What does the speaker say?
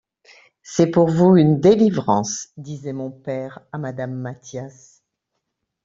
C’est pour vous une délivrance, disait mon père à Madame Mathias.